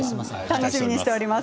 楽しみにしております。